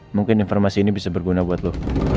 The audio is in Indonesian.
mungkin informasi ini bisa berguna buat lo